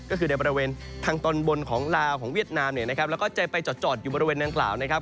ก็คือในบริเวณทางตอนบนของลาวของเวียดนามเนี่ยนะครับแล้วก็จะไปจอดอยู่บริเวณนางกล่าวนะครับ